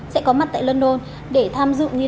sẽ có mặt tại london để tham dự nghi lễ đăng quang